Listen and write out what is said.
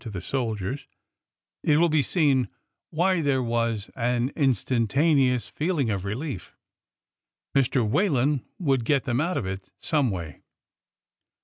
" to the soldiers, it will be seen why there was an instan taneous feeling of relief. Mr. Whalen would get them out of it some way.